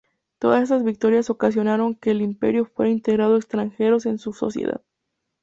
Todas estas victorias ocasionaron que el Imperio fuera integrando extranjeros en su sociedad.